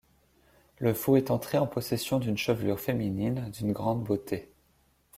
Le fou est entré en possession d’une chevelure féminine, d’une grande beauté.